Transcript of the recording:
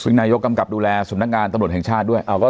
ซึ่งนายกกำกับดูแลสำนักงานตำรวจแห่งชาติด้วย